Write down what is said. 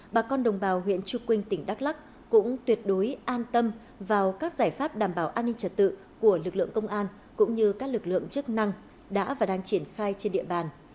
bà con đồng bào huyện trư quynh tỉnh đắk lắc cũng tuyệt đối an tâm vào các giải pháp đảm bảo an ninh trật tự của lực lượng công an cũng như các lực lượng chức năng đã và đang triển khai trên địa bàn